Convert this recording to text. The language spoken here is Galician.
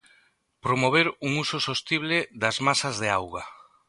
Promover un uso sostible das masas de auga.